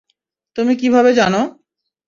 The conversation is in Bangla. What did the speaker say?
তুমি কিভাবে জানো?